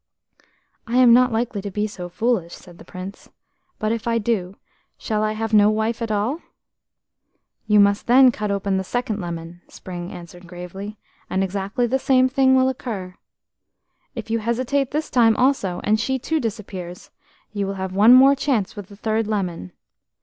"I am not likely to be so foolish," said the Prince, "but if I do, shall I have no wife at all?" "You must then cut open the second lemon," Spring answered gravely, "and exactly the same thing will occur. If you hesitate this time also, and she too disappears, you will have one more chance with the third lemon.